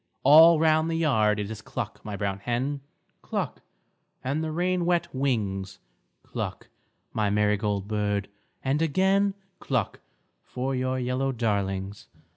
All round the yard it is cluck, my brown hen, Cluck, and the rain wet wings, Cluck, my marigold bird, and again Cluck for your yellow darlings.